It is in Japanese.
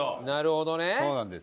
なるほどね。